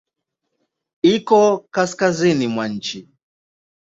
Iko kaskazini mwa nchi.